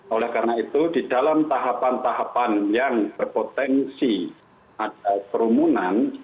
oleh karena itu di dalam tahapan tahapan yang berpotensi ada kerumunan